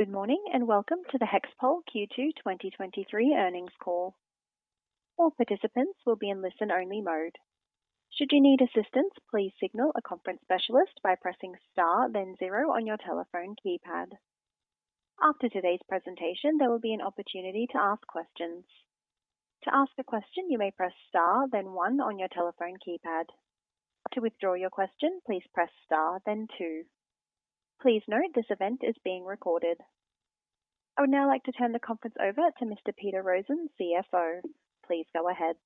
Good morning, welcome to the HEXPOL Q2 2023 earnings call. All participants will be in listen-only mode. Should you need assistance, please signal a conference specialist by pressing star then zero on your telephone keypad. After today's presentation, there will be an opportunity to ask questions. To ask a question, you may press star then one on your telephone keypad. To withdraw your question, please press star then two. Please note, this event is being recorded. I would now like to turn the conference over to Mr. Peter Rosén, CFO. Please go ahead.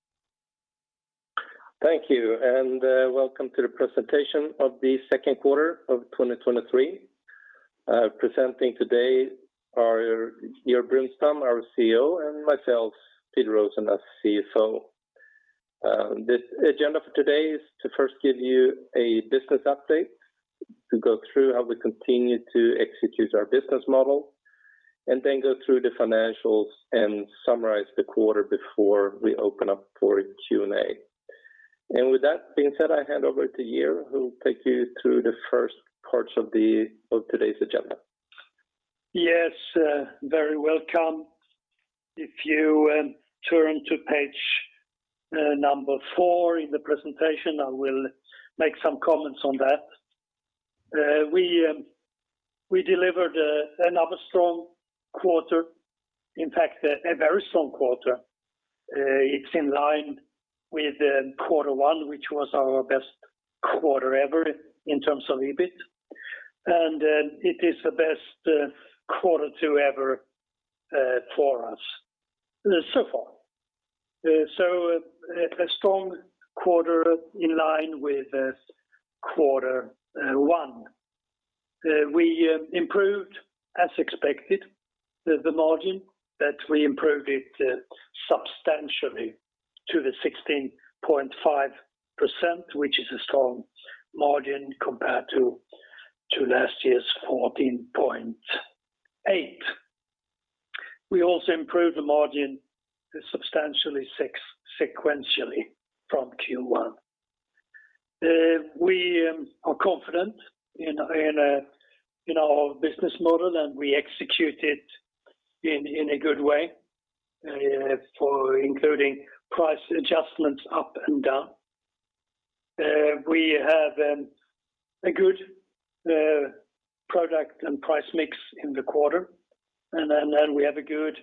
Thank you, and welcome to the presentation of the second quarter of 2023. Presenting today are Georg Brunstam, our CEO, and myself, Peter Rosén, as CFO. The agenda for today is to first give you a business update, to go through how we continue to execute our business model, and then go through the financials and summarize the quarter before we open up for Q&A. With that being said, I hand over to Georg, who will take you through the first parts of today's agenda. Very welcome. If you turn to page four in the presentation, I will make some comments on that. We delivered another strong quarter, in fact, a very strong quarter. It's in line with Q1, which was our best quarter ever in terms of EBIT. It is the best Q2 ever for us so far. So a strong quarter in line with Q1. We improved, as expected, the margin substantially to 16.5%, which is a strong margin compared to last year's 14.8%. We also improved the margin substantially sequentially from Q1. We are confident in our business model, and we execute it in a good way for including price adjustments up and down. We have a good product and price mix in the quarter, and then we have a good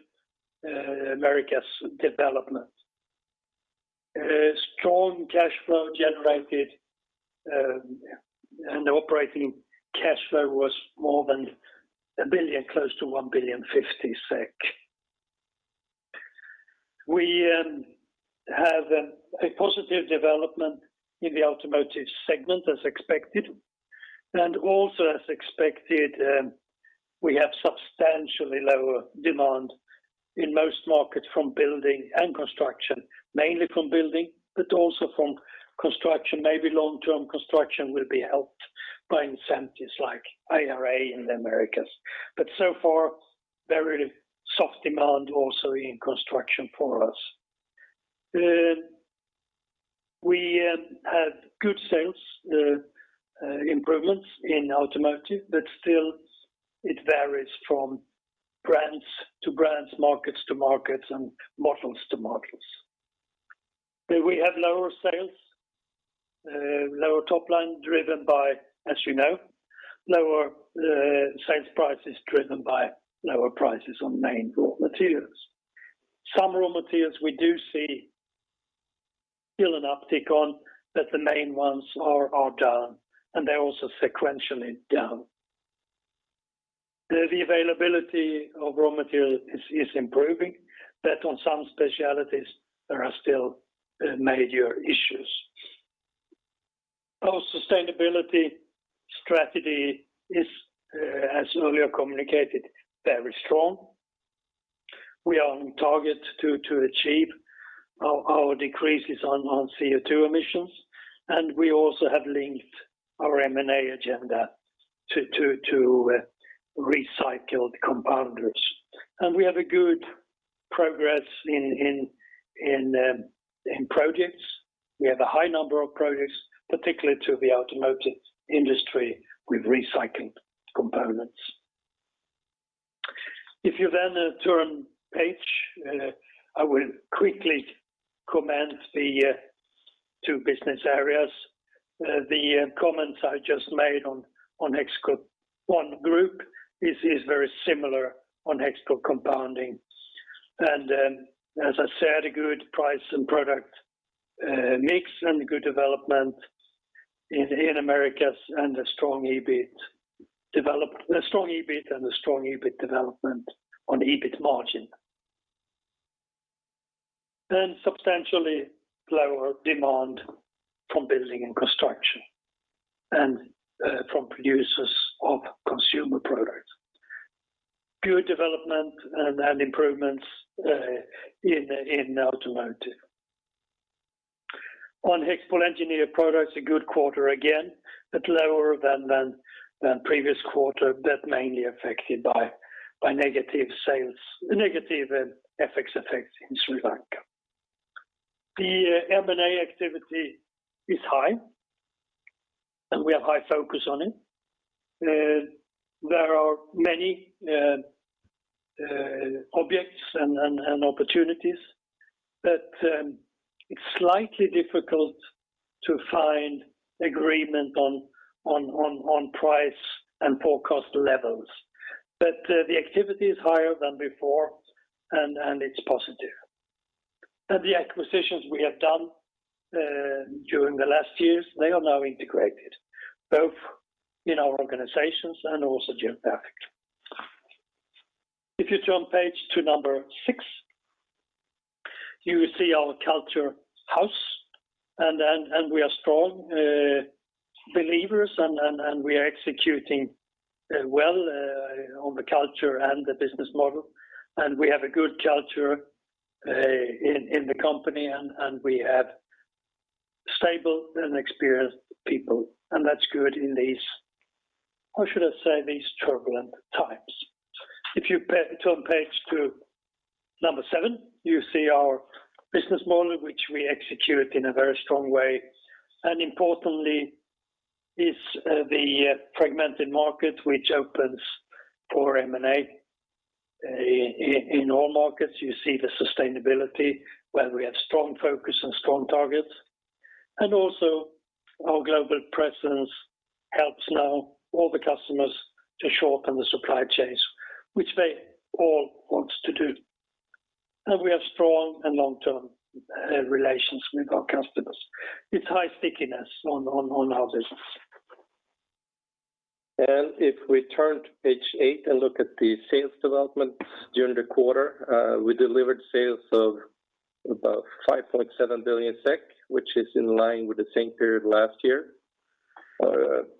the Americas development. Strong cash flow generated, the operating cash flow was more than a billion, close to 1.050 billion. We have a positive development in the Automotive segment as expected, and also as expected, we have substantially lower demand in most markets from building and construction, mainly from building, but also from construction. Maybe long-term construction will be helped by incentives like IRA in the Americas. So far, very soft demand also in construction for us. We had good sales improvements in automotive, but still it varies from brands-to-brands, markets-to-markets, and models-to-models. We have lower sales, lower top line, driven by, as you know, lower sales prices, driven by lower prices on main raw materials. Some raw materials we do see still an uptick on, but the main ones are down, and they're also sequentially down. The availability of raw material is improving, but on some specialties, there are still major issues. Our sustainability strategy is, as earlier communicated, very strong. We are on target to achieve our decreases on CO2 emissions, and we also have linked our M&A agenda to recycled compounders. We have a good progress in projects. We have a high number of projects, particularly to the automotive industry, with recycling components. If you turn page, I will quickly comment the two business areas. The comments I just made on HEXPOL Group is very similar on HEXPOL Compounding. As I said, a good price and product mix and good development in the Americas and a strong EBIT development, a strong EBIT and a strong EBIT development on EBIT margin. Substantially lower demand from building and construction, and from producers of consumer products. Good development and improvements in automotive. On HEXPOL Engineered Products, a good quarter again, but lower than previous quarter, but mainly affected by negative sales, negative FX effects in Sri Lanka. The M&A activity is high. We have high focus on it. There are many objects and opportunities, but it's slightly difficult to find agreement on price and forecast levels. The activity is higher than before, and it's positive. The acquisitions we have done during the last years, they are now integrated, both in our organizations and also geographically. If you turn page to number six, you will see our culture house, and we are strong believers, and we are executing well on the culture and the business model, and we have a good culture in the company, and we have stable and experienced people, and that's good in these, how should I say, these turbulent times? If you turn page to seven, you see our business model, which we execute in a very strong way. Importantly, is the fragmented market, which opens for M&A. In all markets, you see the sustainability, where we have strong focus and strong targets. Also, our global presence helps now all the customers to shorten the supply chains, which they all wants to do. We have strong and long-term relations with our customers. It's high stickiness on our business. If we turn to page eight and look at the sales development during the quarter, we delivered sales of about 5.7 billion SEK, which is in line with the same period last year.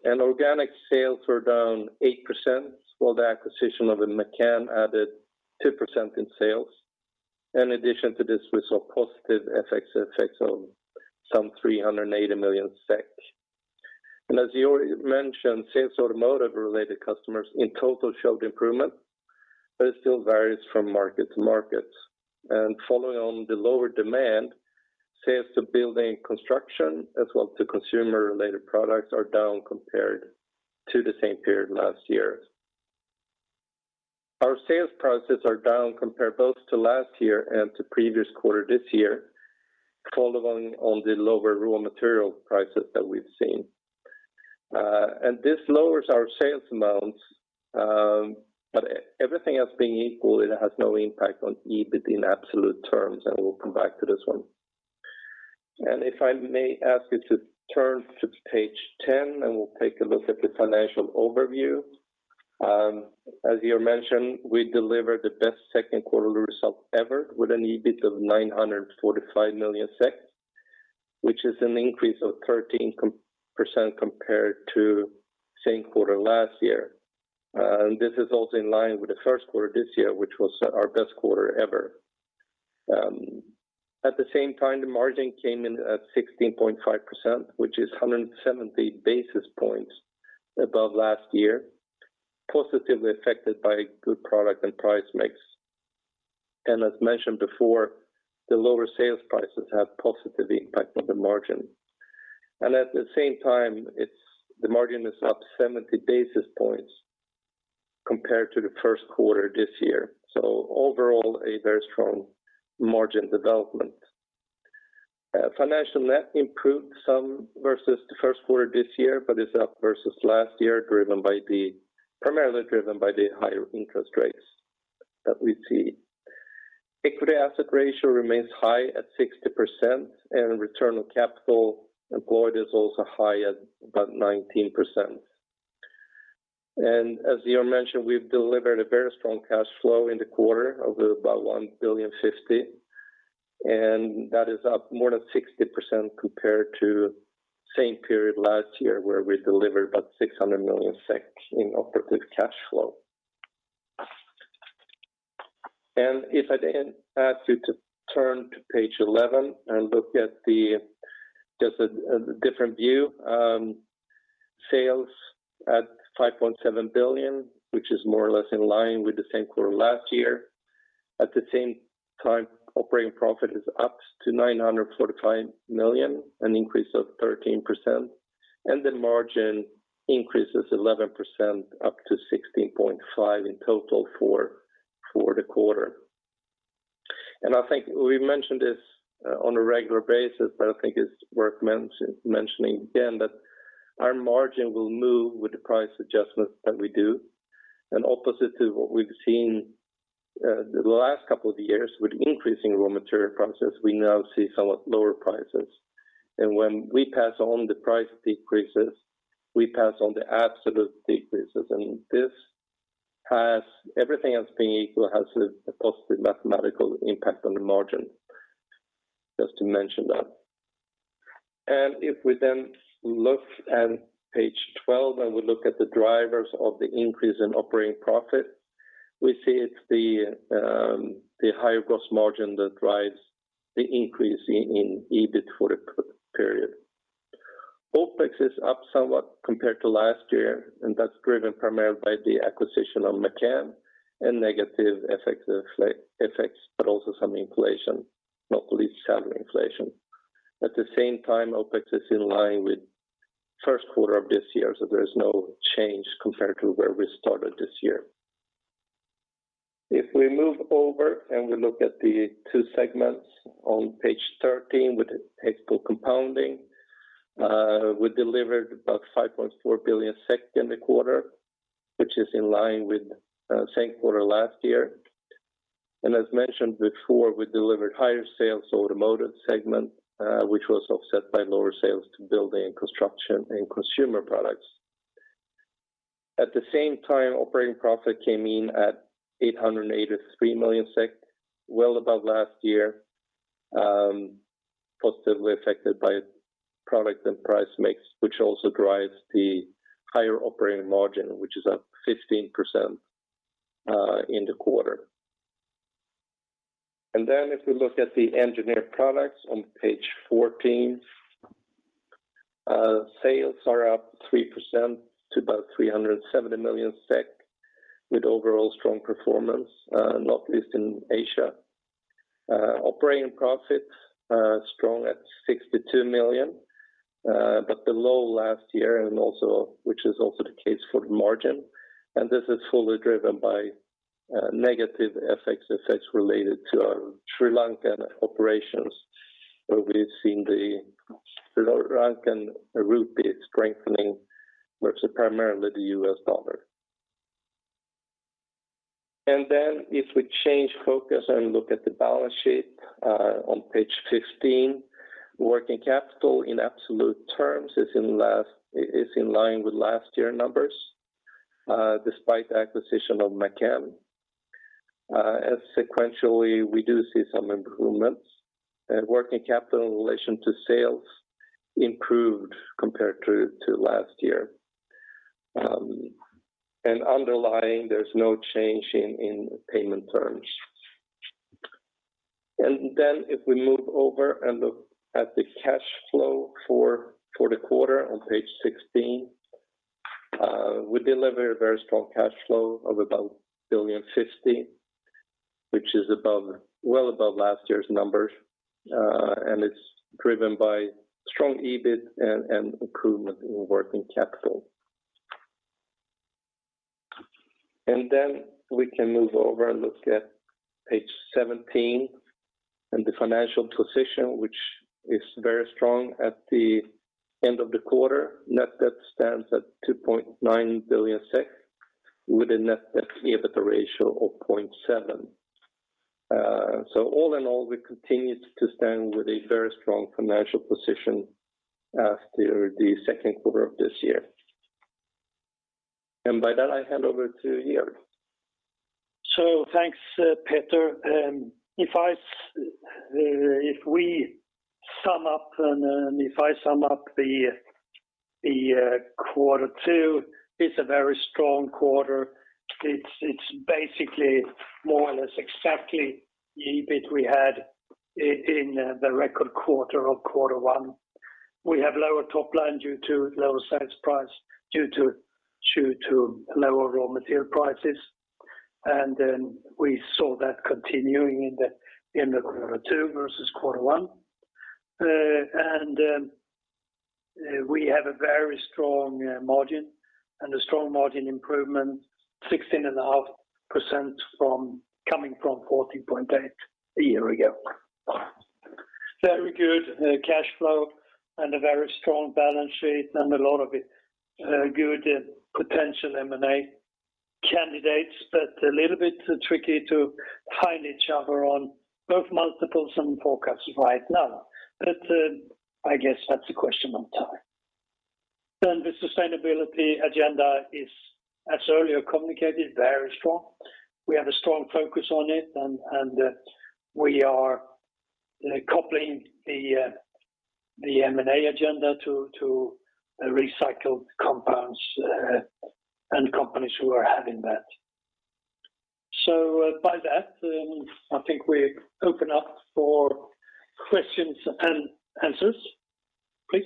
Organic sales were down 8%, while the acquisition of McCann added 2% in sales. In addition to this, we saw positive FX effects of some 380 million SEK. As you already mentioned, sales automotive-related customers in total showed improvement, but it still varies from market-to-market. Following on the lower demand, sales to building construction, as well to consumer-related products, are down compared to the same period last year. Our sales prices are down compared both to last year and to previous quarter this year, following on the lower raw material prices that we've seen. This lowers our sales amounts, but everything else being equal, it has no impact on EBIT in absolute terms, and we'll come back to this one. If I may ask you to turn to page 10, and we'll take a look at the financial overview. As you mentioned, we delivered the best second quarter result ever with an EBIT of 945 million SEK, which is an increase of 13% compared to same quarter last year. This is also in line with the first quarter this year, which was our best quarter ever. At the same time, the margin came in at 16.5%, which is 170 basis points above last year, positively affected by good product and price mix. As mentioned before, the lower sales prices have positively impacted the margin. At the same time, the margin is up 70 basis points compared to the first quarter this year. Overall, a very strong margin development. Financial net improved some versus the first quarter this year, but it's up versus last year, primarily driven by the higher interest rates that we see. Equity/asset ratio remains high at 60%, and return on capital employed is also high at about 19%. As you mentioned, we've delivered a very strong cash flow in the quarter of about 1.050 billion, and that is up more than 60% compared to same period last year, where we delivered about 600 million SEK in operative cash flow. If I then ask you to turn to page 11 and look at the, just a different view, sales at 5.7 billion, which is more or less in line with the same quarter last year. At the same time, operating profit is up to 945 million, an increase of 13%. The margin increases 11% up to 16.5% in total for the quarter. I think we mentioned this on a regular basis, but I think it's worth mentioning again, that our margin will move with the price adjustments that we do. Opposite to what we've seen, the last couple of years with increasing raw material prices, we now see somewhat lower prices. When we pass on the price decreases, we pass on the absolute decreases, and this has, everything else being equal, has a positive mathematical impact on the margin. Just to mention that. If we then look at page 12, and we look at the drivers of the increase in operating profit, we see it's the the higher gross margin that drives the increase in EBIT for the period. OpEx is up somewhat compared to last year, and that's driven primarily by the acquisition of McCann and negative FX effects, but also some inflation, not least salary inflation. At the same time, OpEx is in line with first quarter of this year, so there is no change compared to where we started this year. If we move over and we look at the two segments on page 13 with the technical compounding, we delivered about 5.4 billion in the quarter, which is in line with same quarter last year. As mentioned before, we delivered higher sales to Automotive segment, which was offset by lower sales to building, construction, and consumer products. At the same time, operating profit came in at 883 million SEK, well above last year, positively affected by product and price mix, which also drives the higher operating margin, which is up 15% in the quarter. If we look at the Engineered Products on page 14, sales are up 3% to about 370 million SEK, with overall strong performance, not least in Asia. Operating profits strong at 62 million, but below last year, which is also the case for the margin. This is fully driven by negative FX effects related to our Sri Lankan operations, where we've seen the Sri Lankan rupee strengthening versus primarily the U.S. dollar. Then if we change focus and look at the balance sheet, on page 15, working capital in absolute terms is in line with last year numbers, despite the acquisition of McCann. As sequentially, we do see some improvements, and working capital in relation to sales improved compared to last year. Underlying, there's no change in payment terms. Then if we move over and look at the cash flow for the quarter on page 16, we delivered a very strong cash flow of about 1.050 billion, which is well above last year's numbers, and it's driven by strong EBIT and improvement in working capital. We can move over and look at page 17 and the financial position, which is very strong at the end of the quarter. Net debt stands at 2.9 billion SEK, with a net debt EBITDA ratio of 0.7. All in all, we continue to stand with a very strong financial position as the second quarter of this year. By that, I hand over to Georg. Thanks, Peter. If we sum up and if I sum up Q2, it's a very strong quarter. It's basically more or less exactly the EBIT we had in the record quarter of Q1. We have lower top line due to lower sales price, due to lower raw material prices. Then we saw that continuing in Q2 versus Q1. We have a very strong margin and a strong margin improvement, 16.5% coming from 14.8 a year ago. Very good cash flow and a very strong balance sheet and a lot of it good potential M&A candidates. A little bit tricky to find each other on both multiples and forecasts right now. I guess that's a question of time. The sustainability agenda is, as earlier communicated, very strong. We have a strong focus on it, and we are coupling the M&A agenda to recycled compounds and companies who are having that. By that, I think we open up for questions and answers, please.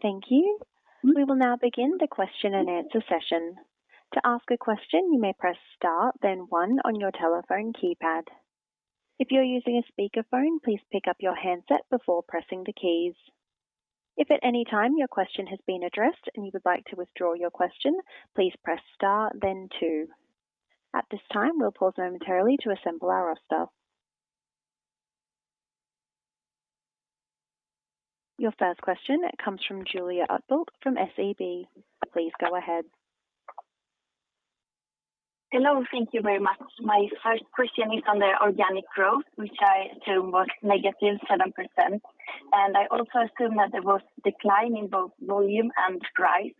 Thank you. We will now begin the question and answer session. To ask a question, you may press star, then one on your telephone keypad. If you're using a speakerphone, please pick up your handset before pressing the keys. If at any time your question has been addressed and you would like to withdraw your question, please press star then two. At this time, we'll pause momentarily to assemble our roster. Your first question comes from Julia Utbult from SEB. Please go ahead. Hello, thank you very much. My first question is on the organic growth, which I assume was -7%, and I also assume that there was decline in both volume and price.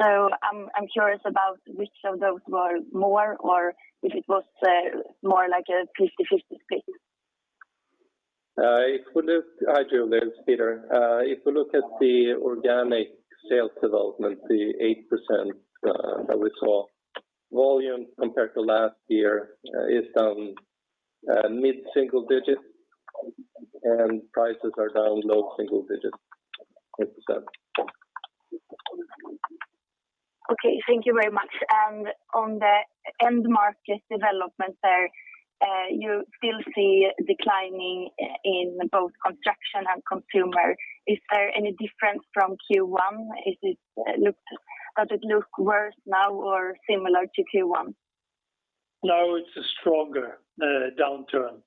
I'm curious about which of those were more or if it was, more like a 50/50 split? Hi, Julia, it's Peter. If you look at the organic sales development, the 8%, that we saw, volume compared to last year is down mid-single digit, and prices are down low single digit, 8%. Okay, thank you very much. On the end market development there, you still see declining in both construction and consumer. Is there any difference from Q1? Does it look worse now or similar to Q1? No, it's a stronger downturn.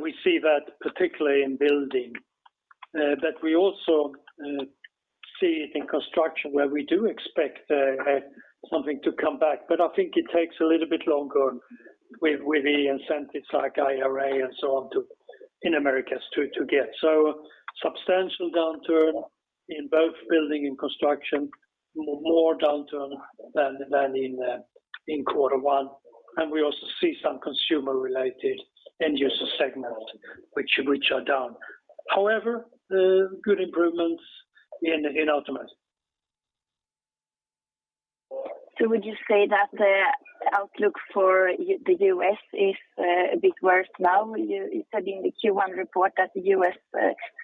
We see that particularly in building, but we also see it in construction where we do expect something to come back. I think it takes a little bit longer with the incentives like IRA and so on to in the Americas to get. Substantial downturn in both building and construction, more downturn than in quarter one. We also see some consumer-related end user segment, which are down. However, good improvements in automotive. Would you say that the outlook for the U.S. is a bit worse now? You said in the Q1 report that the U.S.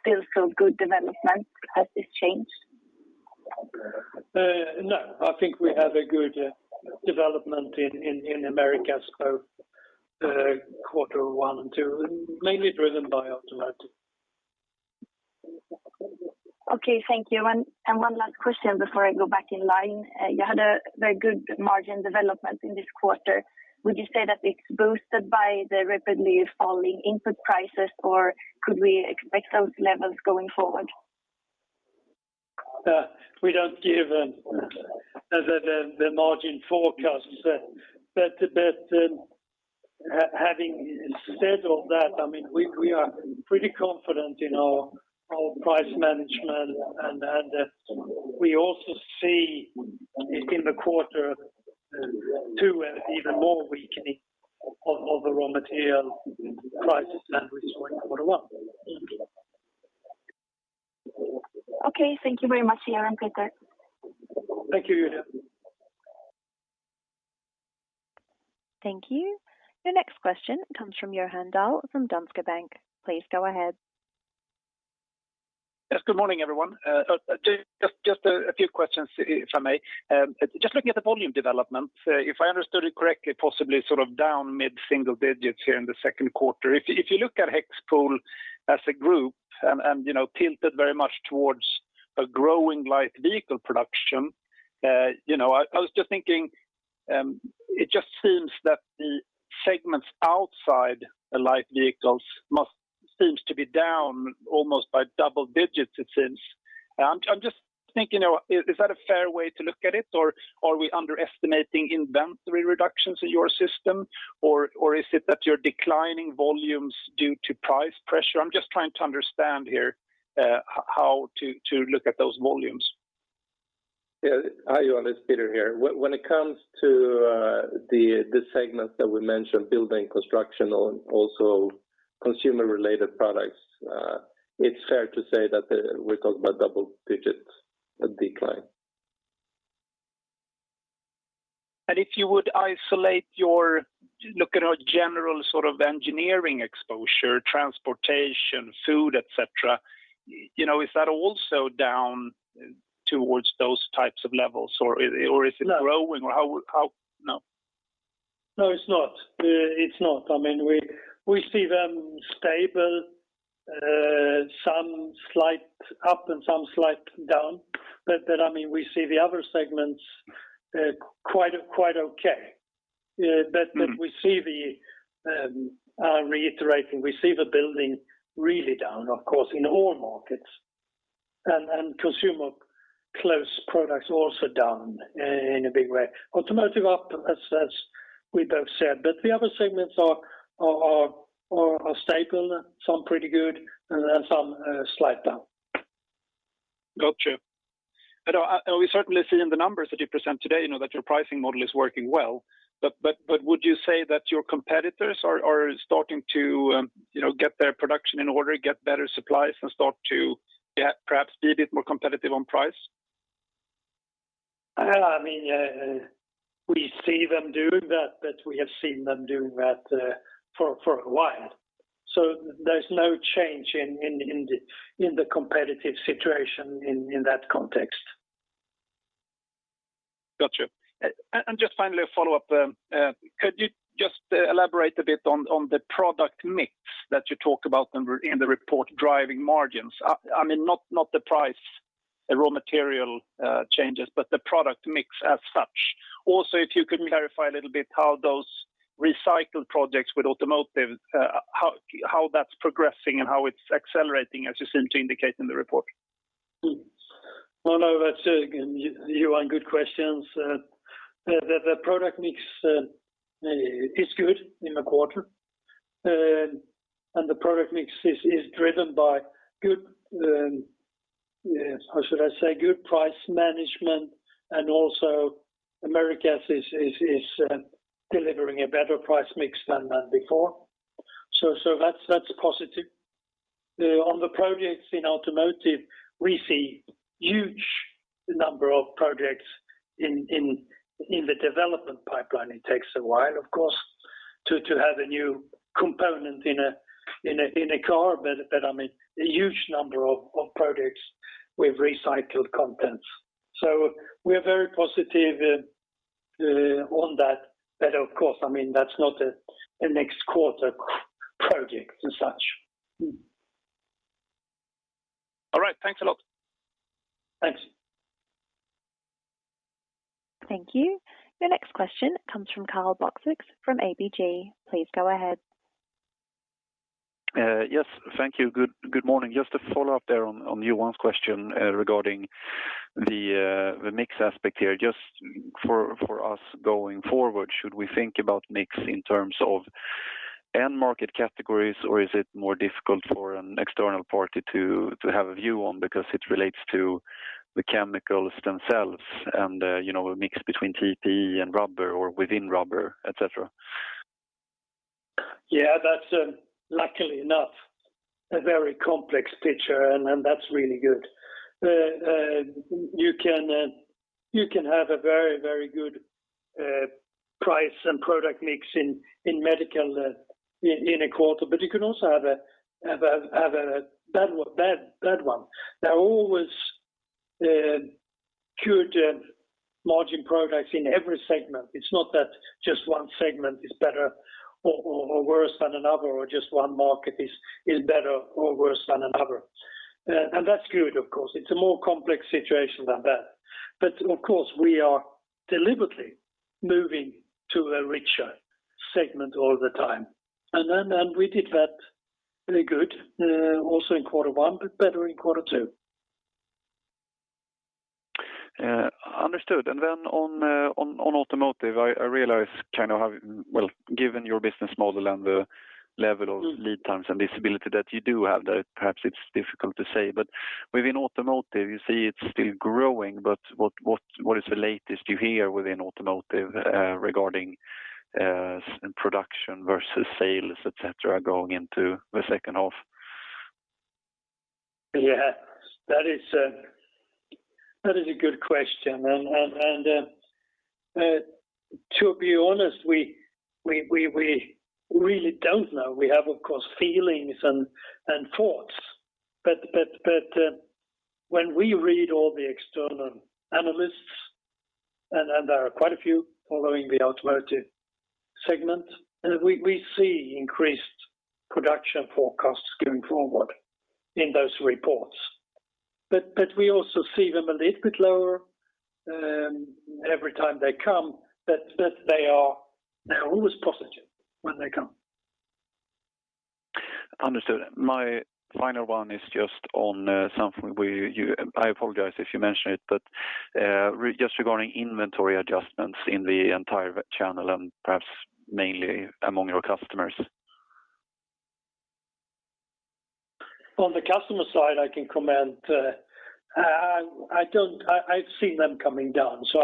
still saw good development. Has this changed? No. I think we have a good development in the Americas, both, quarter one and two, mainly driven by automotive. Okay, thank you. One last question before I go back in line. You had a very good margin development in this quarter. Would you say that it's boosted by the rapidly falling input prices, or could we expect those levels going forward? We don't give the margin forecast. Having said all that, I mean, we are pretty confident in our price management. We also see in the quarter two an even more weakening of the raw material prices than we saw in quarter one. Okay, thank you very much, Georg and Peter. Thank you, Julia. Thank you. The next question comes from Johan Dahl from Danske Bank. Please go ahead. Yes, good morning, everyone. Just a few questions, if I may. Just looking at the volume development, if I understood it correctly, possibly sort of down mid-single digits here in the second quarter. If you look at HEXPOL as a group and, you know, tilted very much towards a growing light vehicle production, you know, I was just thinking, it just seems that the segments outside the light vehicles seems to be down almost by double digits, it seems. I'm just thinking, is that a fair way to look at it, or are we underestimating inventory reductions in your system? Or is it that you're declining volumes due to price pressure? I'm just trying to understand here, how to look at those volumes. Yeah. Hi, Johan, it's Peter here. When it comes to the segment that we mentioned, building, construction, and also consumer-related products, it's fair to say that we're talking about double digits of decline. Look at our general sort of engineering exposure, transportation, food, et cetera, you know, is that also down towards those types of levels, or is it? No... growing, or how? No. No, it's not. It's not. I mean, we see them stable, some slight up and some slight down. I mean, we see the other segments, quite okay. Mm. We see the, reiterating, we see the building really down, of course, in all markets, and consumer close products also down in a big way. Automotive up, as we both said, but the other segments are stable, some pretty good, and then some, slight down. Got you. We certainly see in the numbers that you present today, you know, that your pricing model is working well. Would you say that your competitors are starting to, you know, get their production in order, get better supplies, and start to, yeah, perhaps be a bit more competitive on price? I mean, we see them doing that, but we have seen them doing that for a while. There's no change in the competitive situation in that context. Got you. Just finally a follow-up, could you just elaborate a bit on the product mix that you talk about in the report, driving margins? I mean, not the price, the raw material, changes, but the product mix as such. Also, if you could clarify a little bit how those recycled projects with automotive, how that's progressing and how it's accelerating, as you seem to indicate in the report? Well, no, that's Johan, good questions. The product mix is good in the quarter. The product mix is driven by good, how should I say? Good price management, and also the Americas is delivering a better price mix than before. That's a positive. On the projects in automotive, we see huge number of projects in the development pipeline. It takes a while, of course, to have a new component in a car. I mean, a huge number of products with recycled contents. We are very positive on that. Of course, I mean, that's not a next quarter project as such. All right. Thanks a lot. Thanks. Thank you. Your next question comes from Karl Bokvist from ABG. Please go ahead. Yes, thank you. Good morning. Just to follow up there on Johan's question regarding the mix aspect here. Just for us going forward, should we think about mix in terms of end market categories, or is it more difficult for an external party to have a view on because it relates to the chemicals themselves and, you know, a mix between TPE and rubber or within rubber, et cetera? Yeah, that's luckily enough, a very complex picture, and that's really good. You can have a very, very good price and product mix in medical in a quarter, but you can also have a bad one. There are always good margin products in every segment. It's not that just one segment is better or worse than another, or just one market is better or worse than another. That's good, of course. It's a more complex situation than that. Of course, we are deliberately moving to a richer segment all the time. We did that very good also in quarter one, but better in quarter two. Understood. Then on automotive, I realize kind of how. Well, given your business model and the level of lead times and visibility that you do have, that perhaps it's difficult to say. Within automotive, you see it's still growing, but what is the latest you hear within automotive regarding production versus sales, et cetera, going into the second half? That is a good question. To be honest, we really don't know. We have, of course, feelings and thoughts, but when we read all the external analysts, and there are quite a few following the Automotive segment, we see increased production forecasts going forward in those reports. We also see them a little bit lower every time they come, but they are always positive when they come. Understood. My final one is just on, something you, I apologize if you mentioned it, but, just regarding inventory adjustments in the entire channel and perhaps mainly among your customers. On the customer side, I can comment. I see them coming down, so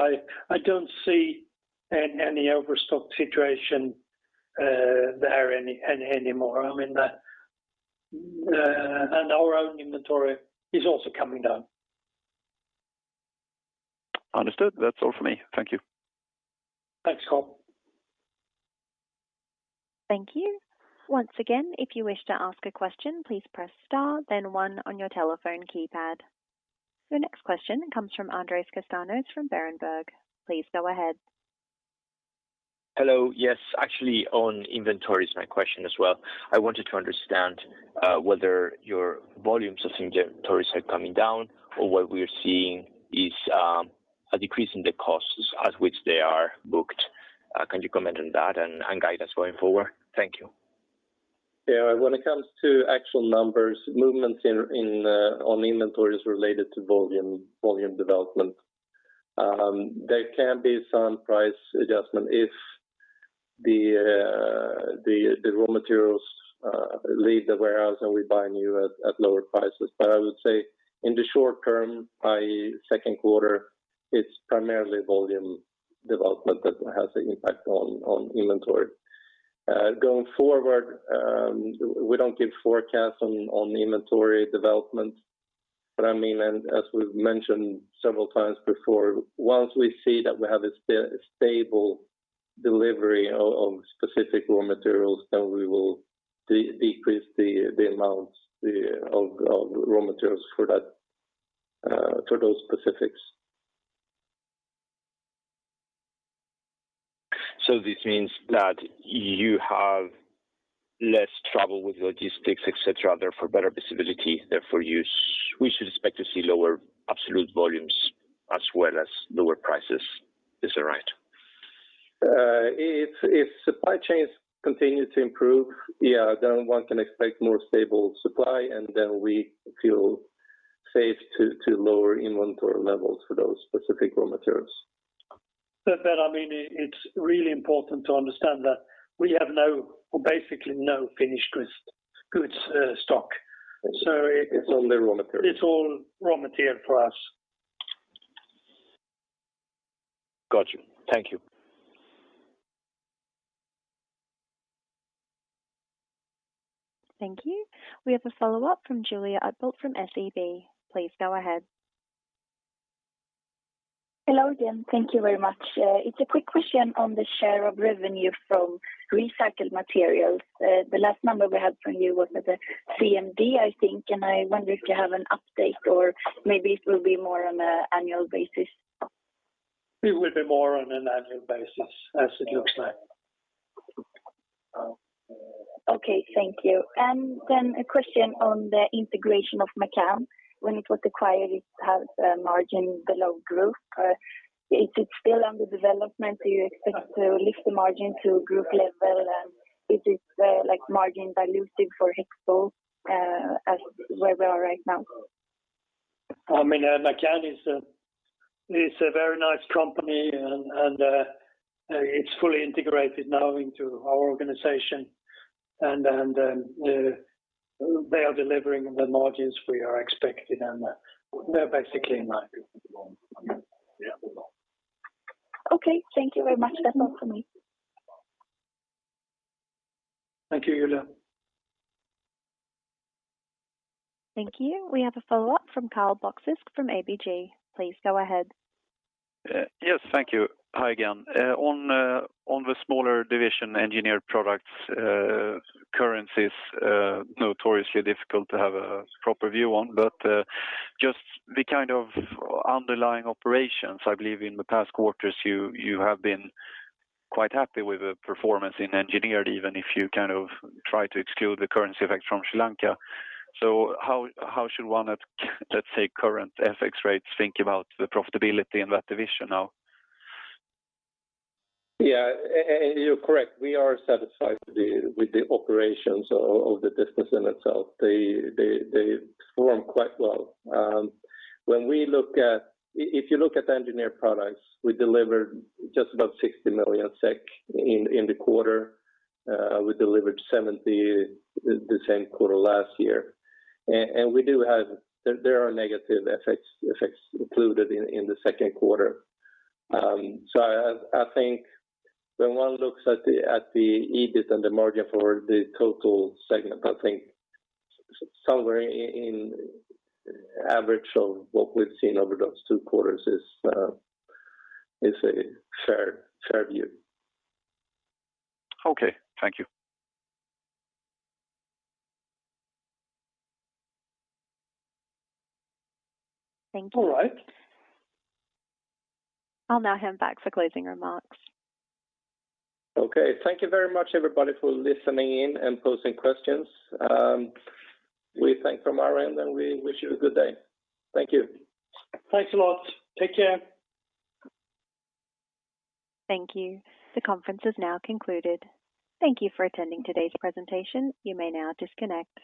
I don't see any overstock situation there any anymore. I mean, the and our own inventory is also coming down. Understood. That's all for me. Thank you. Thanks, Karl. Thank you. Once again, if you wish to ask a question, please press star then one on your telephone keypad. The next question comes from Andrés Castaños from Berenberg. Please go ahead. Hello. Yes, actually, on inventory is my question as well. I wanted to understand whether your volumes of inventories are coming down or what we're seeing is a decrease in the costs at which they are booked. Can you comment on that and guide us going forward? Thank you. When it comes to actual numbers, movements in on inventories related to volume development, there can be some price adjustment if the raw materials leave the warehouse and we buy new at lower prices. I would say in the short term, by second quarter, it's primarily volume development that has an impact on inventory. Going forward, we don't give forecasts on inventory development, but I mean, as we've mentioned several times before, once we see that we have a stable delivery of specific raw materials, then we will decrease the amounts of raw materials for that for those specifics. This means that you have less trouble with logistics, et cetera, therefore better visibility, therefore, we should expect to see lower absolute volumes as well as lower prices. Is that right? If supply chains continue to improve, yeah, then one can expect more stable supply, and then we feel safe to lower inventory levels for those specific raw materials. I mean, it's really important to understand that we have no, basically no finished goods, stock. It's only raw material. It's all raw material for us. Got you. Thank you. Thank you. We have a follow-up from Julia Utbult from SEB. Please go ahead. Hello again. Thank you very much. It's a quick question on the share of revenue from recycled materials. The last number we had from you was with the CMD, I think, and I wonder if you have an update or maybe it will be more on an annual basis? It will be more on an annual basis, as it looks like. Okay, thank you. Then a question on the integration of McCann Plastics. When it was acquired, it had a margin below group. Is it still under development, do you expect to lift the margin to group level? Is it like margin dilutive for HEXPOL, as where we are right now? I mean, McCann Plastics is a very nice company and it's fully integrated now into our organization, and they are delivering the margins we are expecting, and they're basically in line. Okay, thank you very much. That's all for me. Thank you, Julia. Thank you. We have a follow-up from Karl Bokvist from ABG. Please go ahead. Yes, thank you. Hi again. On the smaller division Engineered Products, currencies notoriously difficult to have a proper view on, but just the kind of underlying operations, I believe in the past quarters, you have been quite happy with the performance in engineered, even if you kind of try to exclude the currency effects from Sri Lanka. How should one at, let's say, current FX rates, think about the profitability in that division now? You're correct. We are satisfied with the operations of the business in itself. They form quite well. When we look at... If you look at the Engineered Products, we delivered just about 60 million SEK in the quarter. We delivered 70 million the same quarter last year. We do have... There are negative effects included in the second quarter. I think when one looks at the EBIT and the margin for the total segment, I think somewhere in average of what we've seen over those two quarters is a fair view. Okay. Thank you. Thank you. All right. I'll now hand back for closing remarks. Okay, thank you very much, everybody, for listening in and posing questions. We thank from our end, and we wish you a good day. Thank you. Thanks a lot. Take care. Thank you. The conference is now concluded. Thank you for attending today's presentation. You may now disconnect.